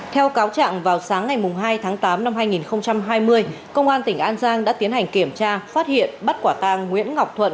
theo cáo trạng vào sáng ngày hai tháng tám năm hai nghìn hai mươi công an tỉnh an giang đã tiến hành kiểm tra phát hiện bắt quả tang nguyễn ngọc thuận